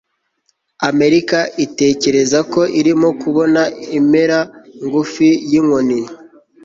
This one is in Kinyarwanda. amerika itekereza ko irimo kubona impera ngufi yinkoni